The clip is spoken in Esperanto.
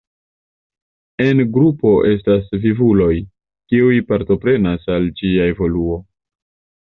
En grundo estas vivuloj, kiuj partoprenas al ĝia evoluo.